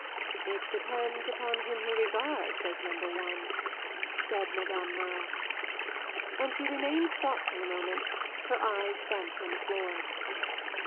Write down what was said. "It depends upon whom he regards as number one!" said Madame Merle. And she remained thoughtful a moment, her eyes bent on the floor.